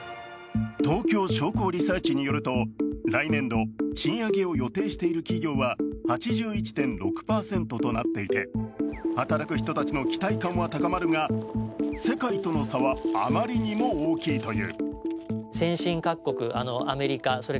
東京商工リサーチによると、来年度賃上げを予定している企業は８１．６％となっていて働く人たちの期待感は高まるが世界との差はあまりにも大きいという。